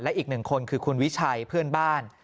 อีกหนึ่งคนคือคุณวิชัยเพื่อนบ้าน